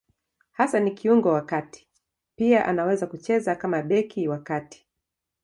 Hasa ni kiungo wa kati; pia anaweza kucheza kama beki wa kati.